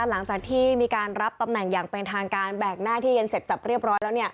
หลังจากที่มีการรับตำแหน่งอย่างเป็นทางการแบกหน้าที่เย็นเสร็จจับเรียบร้อยแล้ว